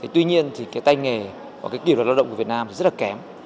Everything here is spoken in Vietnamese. tuy nhiên thì cái tay nghề và cái kiểu lao động của việt nam rất là kém